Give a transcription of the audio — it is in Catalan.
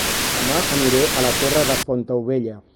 Dema aniré a La Torre de Fontaubella